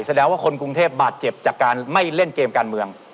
แสดงว่าคนกรุงเทพบาดเจ็บจากการไม่เล่นเกมการเมือง